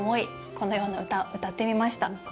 このような歌を歌ってみました。